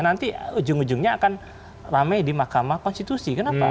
nanti ujung ujungnya akan rame di mahkamah konstitusi kenapa